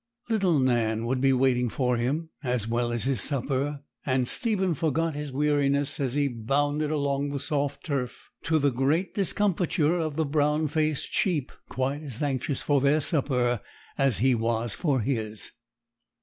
Little Nan would be waiting for him, as well as his supper, and Stephen forgot his weariness as he bounded along the soft turf, to the great discomfiture of the brown faced sheep, quite as anxious for their supper as he was for his.